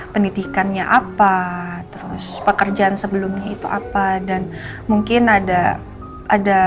pendidikannya apa terus pekerjaan sebelumnya itu apa dan mungkin ada ada